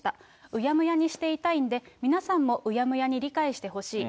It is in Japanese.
うやむやにしていたいんで、皆さんもうやむやに理解してほしい。